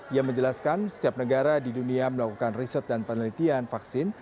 ia menjelaskan setiap negara di dunia melakukan riset dan penelitian vaksin